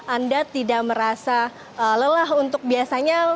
anda tidak merasa lelah untuk biasanya